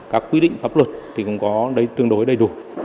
các quy định pháp luật thì cũng có tương đối đầy đủ